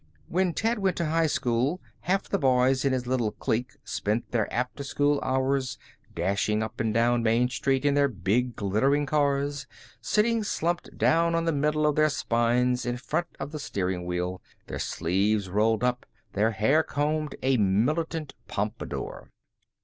When Ted went to high school half the boys in his little clique spent their after school hours dashing up and down Main street in their big, glittering cars, sitting slumped down on the middle of their spines in front of the steering wheel, their sleeves rolled up, their hair combed a militant pompadour.